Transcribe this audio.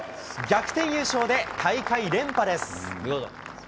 逆転優勝で大会連覇です。